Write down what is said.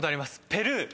「ペルー」